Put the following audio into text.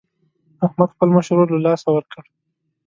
احمد خپل مشر ورور له لاسه ورکړ.